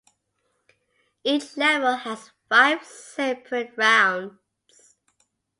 Each level has five separate rounds.